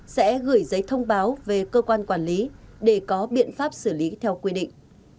sẽ gửi giấy thông báo về cơ quan quản lý để có biện pháp xử lý theo quy định